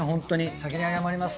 先に謝ります。